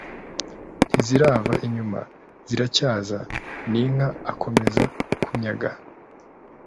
ntizirava inyuma: ziracyaza, ni inka akomeza kunyaga